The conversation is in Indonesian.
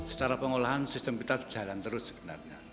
secara pengolahan sistem kita berjalan terus sebenarnya